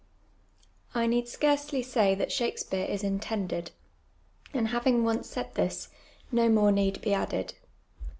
I need scarcely say that Shakspeare is intended ; and having once said this, no more need be added.